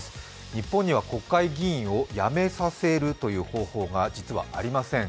日本には国会議員を辞めさせるという方法が実はありません。